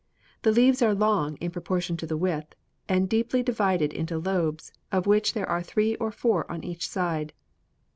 The leaves are long in proportion to the width and deeply divided into lobes, of which there are three or four on each side.